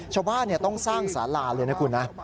ชาวบ้านต้องสร้างสาราเลยนะคุณนะ